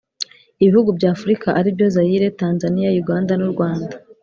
ibihugu by'afurika ari byo zayire, tanzaniya, uganda nu rwanda